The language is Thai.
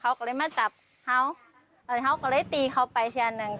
และในปีนี้เธอกำลังจะปิดร้านปะดีและในปีนี้เธอกำลังจะปิดร้านปะดี